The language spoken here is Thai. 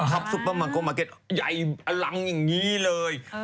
ท็อปซูเปอร์มาร์เก็ตใหญ่อลังอย่างนี้เลย